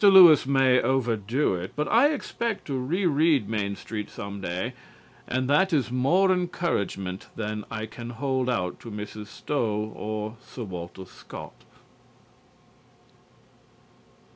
Lewis may overdo it, but I expect to re read "Main Street" some day, and that is more encouragement than I can hold out to Mrs. Stowe or Sir Walter Scott.